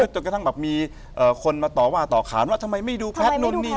จนกระทั่งแบบมีคนมาต่อว่าต่อขานว่าทำไมไม่ดูแพทย์นู่นนี่